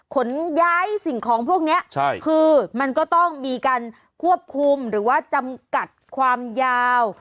ขนย้ายสิ่งของพวกนี้คือมันก็ต้องมีการควบคุมหรือว่าจำกัดความยาว